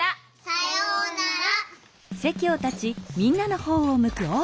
さようなら。